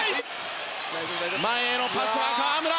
前へのパスは河村！